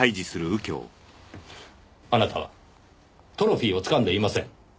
あなたはトロフィーをつかんでいません。